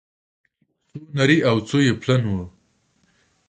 څو نري او څو يې پلن وه